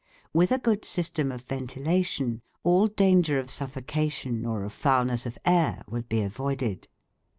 With a good system of ventilation, all danger of suffocation or of foulness of air would be avoided.